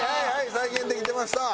再現できてました！